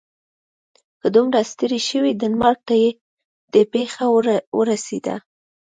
که دومره ستړی شوې ډنمارک ته دې پښه ورسیده.